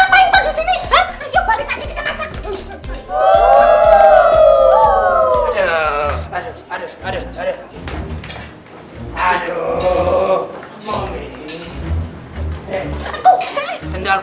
sampai nyapa itu di sini hah yuk balik tadi kita masak